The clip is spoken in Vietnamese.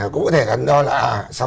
cũng có thể đắn đo là